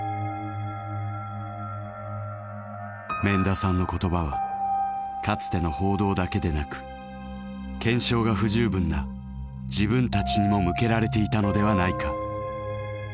免田さんの言葉はかつての報道だけでなく検証が不十分な自分たちにも向けられていたのではないか。